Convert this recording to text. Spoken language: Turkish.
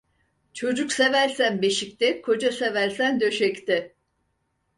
Çocuk seversen beşikte, koca seversen döşekte.